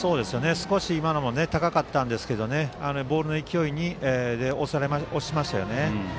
少し今のも高かったんですがボールの勢いが押しましたね。